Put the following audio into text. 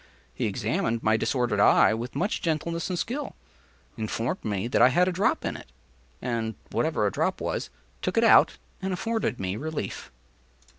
He examined my disordered eye with much gentleness and skill, informed me that I had a drop in it, and (whatever a “drop” was) took it out, and afforded me relief.